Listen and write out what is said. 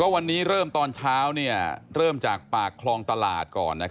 วันนี้เริ่มตอนเช้าเริ่มจากปากคลองตลาดก่อน